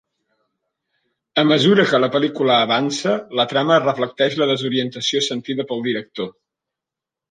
A mesura que la pel·lícula avança, la trama reflecteix la desorientació sentida pel director.